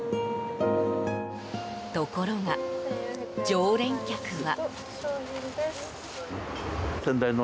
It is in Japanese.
ところが、常連客は。